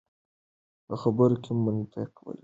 په خبرو کې منطق ولرو.